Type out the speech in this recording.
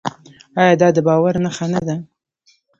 آیا دا د باور نښه نه ده؟